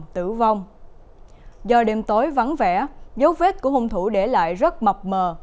do đêm tối vắng vẻ dấu vết của hung thủ để lại rất mập mờ